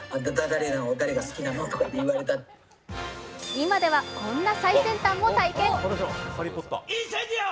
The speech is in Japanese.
今では、こんな最先端も体験。